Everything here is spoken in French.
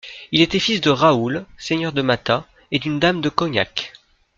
Il était fils de Raoul, seigneur de Matha, et d'une dame de Cognac.